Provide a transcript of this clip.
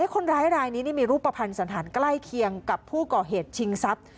คนร้ายรายนี้นี่มีรูปภัณฑ์สันธารใกล้เคียงกับผู้ก่อเหตุชิงทรัพย์